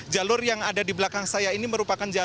jalur yang ada di belakang saya ini merupakan jalur